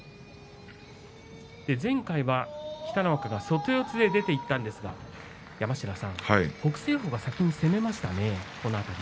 前回は北の若が外四つで出ていったんですが、山科さん北青鵬が先に攻めましたね。